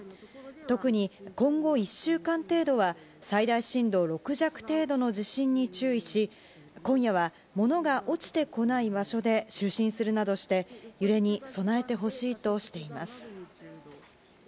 特に今後１週間程度は、最大震度６弱程度の地震に注意し、今夜は物が落ちてこない場所で就寝するなどして、揺れに備えてほしいとしています。